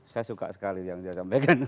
saya suka sekali yang saya sampaikan